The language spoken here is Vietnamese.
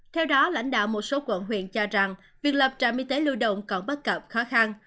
theo đó lãnh đạo một số quận huyện cho rằng việc lập trạm y tế lưu động còn bắt cặp khó khăn